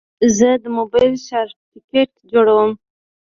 زه د موبایل شارټکټ جوړوم.